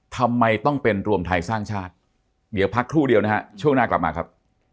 ทำไมต้องเป็นรวมไทยสร้างชาติเดี๋ยวพักครู่เดียวนะฮะช่วงหน้ากลับมาครับ